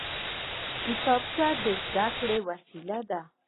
کتابچه د زده کړې وسیله ده